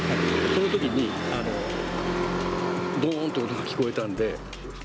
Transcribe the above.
そのときに、どーんと音が聞こえたんで。